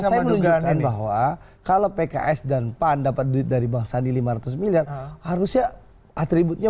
saya menunjukkan bahwa kalau pks dan pan dapat duit dari bang sandi lima ratus miliar harusnya atributnya